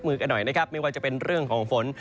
มือกันหน่อยนะครับไม่ว่าจะเป็นเรื่องของฝน